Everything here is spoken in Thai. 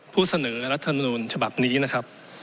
ผู้เสนอรัฐมนูลฉบับนี้นะครับ